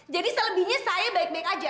jadi selebihnya saya baik baik aja